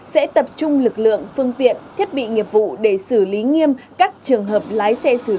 sẽ tập trung lực lượng phương tiện thiết bị nghiệp vụ để xử lý nghiêm các trường hợp lái xe sử dụng